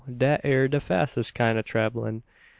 Dat ere de fassest kind o' trabbelin'.